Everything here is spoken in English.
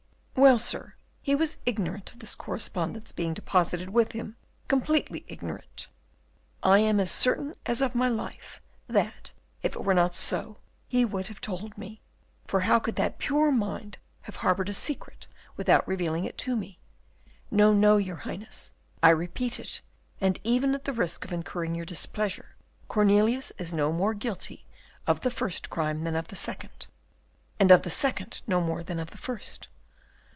"Well, sir, he was ignorant of this correspondence being deposited with him; completely ignorant. I am as certain as of my life, that, if it were not so, he would have told me; for how could that pure mind have harboured a secret without revealing it to me? No, no, your Highness, I repeat it, and even at the risk of incurring your displeasure, Cornelius is no more guilty of the first crime than of the second; and of the second no more than of the first.